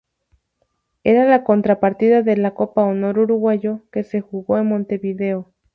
Era la contrapartida de la Copa Honor Uruguayo, que se jugó en Montevideo.